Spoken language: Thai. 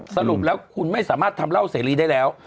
สรุปแล้วคุณไม่สามารถทำเหล้าเสรีได้แล้ว